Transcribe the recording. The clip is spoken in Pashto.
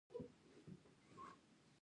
هند یو ډیموکراټیک هیواد شو.